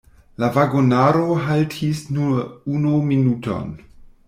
La vagonaro haltis nur unu minuton.